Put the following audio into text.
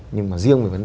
nhưng mà riêng về vấn đề